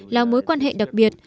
là mối quan hệ đặc biệt